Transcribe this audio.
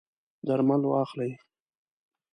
درمل واخلئ